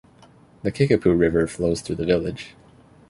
The Kickapoo River flows through the village.